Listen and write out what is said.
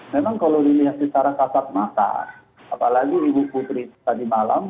memang kalau dilihat secara kasat mata apalagi ibu putri tadi malam